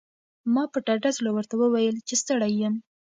ما په ډاډه زړه ورته وویل چې ستړی یم.